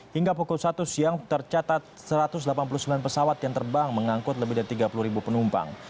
hingga pukul satu siang tercatat satu ratus delapan puluh sembilan pesawat yang terbang mengangkut lebih dari tiga puluh ribu penumpang